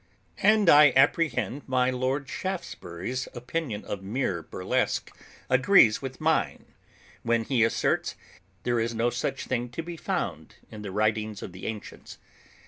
And I apprehend my Lord Shaftesbury's opinion of mere burlesque agrees with mine, when he asserts, There is no such thing to be found in the writings of the ancients.